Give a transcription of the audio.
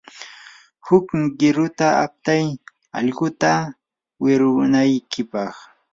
huk qiruta aptay allquta wirunaykipaq.